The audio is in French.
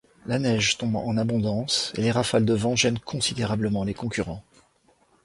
La neige tombant en abondance et les rafales de vent gênent considérablement les concurrents.